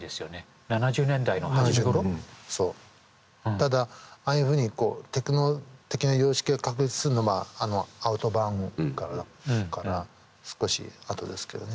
ただああいうふうにテクノ的な様式を確立するのはあの「アウトバーン」からだから少しあとですけどね。